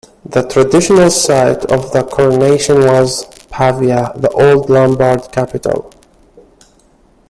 The traditional site of the coronation was Pavia, the old Lombard capital.